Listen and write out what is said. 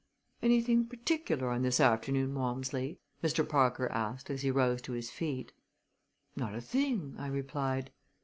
"Anything particular on this afternoon, Walmsley? "Mr. Parker asked as he rose to his feet. "Not a thing," I replied.